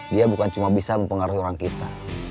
dia bukan cuma bisa mempengaruhi orang kita